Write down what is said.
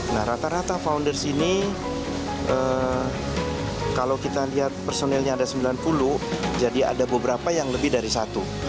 nah rata rata founders ini kalau kita lihat personilnya ada sembilan puluh jadi ada beberapa yang lebih dari satu